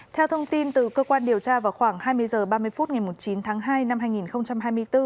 theo thông tin từ cơ quan điều tra vào khoảng hai mươi h ba mươi phút ngày chín tháng hai năm hai nghìn hai mươi bốn